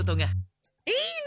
いいのよ